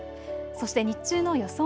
そして日中の予想